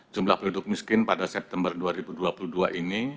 jumlah penduduk miskin pada september dua ribu dua puluh dua ini